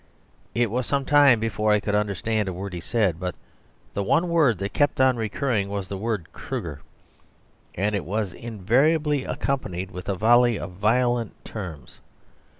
It was some time before I could understand a word he said, but the one word that kept on recurring was the word "Kruger," and it was invariably accompanied with a volley of violent terms.